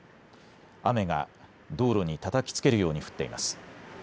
雨が道路にたたきつけるように降っています。